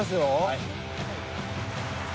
はい。